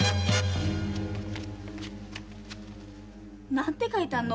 何て書いてあるの？